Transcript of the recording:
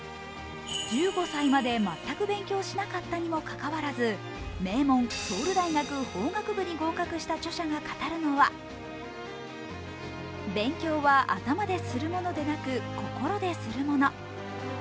１５歳まで全く勉強しなかったにもかかわらず、名門・ソウル大学法学部に合格した著者が語るのは勉強は頭でするものでなく心でするもの。